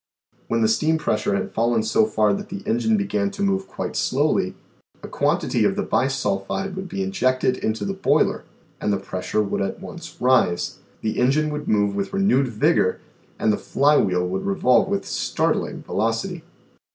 When the steam pressure had fallen so far that the engine began to move quite slowly, a quantity of the bisulphide would be injected into the boiler and the pressure would at once rise, the engine would move with renewed vigor, and the fly wheel would revolve with startling velocity.